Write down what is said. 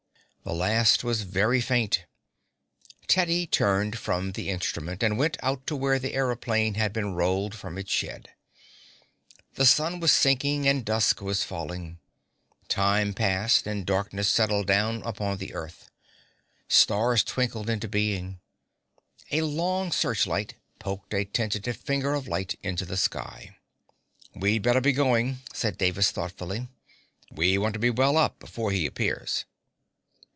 The last was very faint. Teddy turned from the instrument and went out to where the aëroplane had been rolled from its shed. The sun was sinking and dusk was falling. Time passed and darkness settled down upon the earth. Stars twinkled into being. A long searchlight poked a tentative finger of light into the sky. "We'd better be going," said Davis thoughtfully. "We want to be well up before he appears."